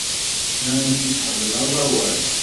Nancy tḥemmel aẓawan.